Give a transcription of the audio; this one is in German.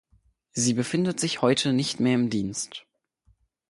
Sie befindet sich heute nicht mehr im Dienst.